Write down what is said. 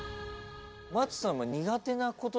松さん。